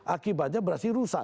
akibatnya beras ini rusak